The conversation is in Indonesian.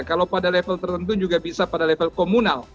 kalau pada level tertentu juga bisa pada level komunal